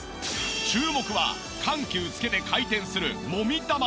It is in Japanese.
注目は緩急つけて回転するもみ玉。